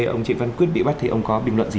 ông trịnh văn quyết bị bắt thì ông có bình luận gì